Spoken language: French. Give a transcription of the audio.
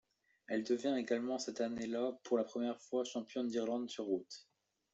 Elle devient également cette année-là pour la première fois championne d'Irlande sur route.